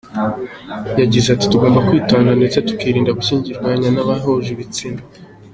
Yagize ati “Tugomba kwitonda ndetse tukirinda gushyiranwa kw’abahuje ibitsina.